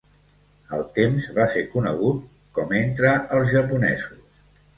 Al temps, va ser conegut com entre els japonesos.